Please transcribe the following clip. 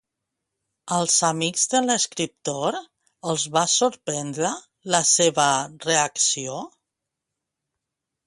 Als amics de l'escriptor els va sorprendre la seva reacció?